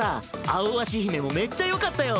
「青わし姫」もめっちゃよかったよ。